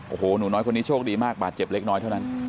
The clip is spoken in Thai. โอ้โหหนูน้อยคนนี้โชคดีมากบาดเจ็บเล็กน้อยเท่านั้น